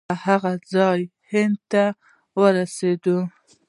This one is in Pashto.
له هغه ځایه هند ته ورسېد.